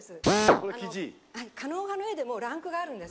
あの狩野派の絵でもランクがあるんです。